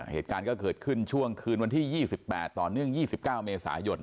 เหตุการณ์ก็เกิดขึ้นช่วงคืนวันที่๒๘ต่อเนื่อง๒๙เมษายน